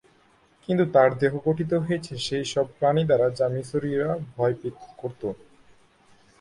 কিন্তু তার দেহ গঠিত করা হয়েছে সেই সব প্রাণী দ্বারা যা মিশরীয়রা ভয় করতো।